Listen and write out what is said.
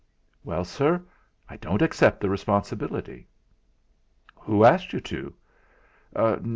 "Well, Sir, I don't accept the responsibility." "Who asked you to?"